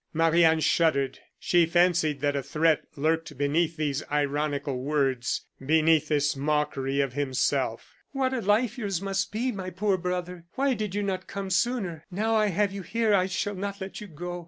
Marie Anne shuddered. She fancied that a threat lurked beneath these ironical words, beneath this mockery of himself. "What a life yours must be, my poor brother! Why did you not come sooner? Now, I have you here, I shall not let you go.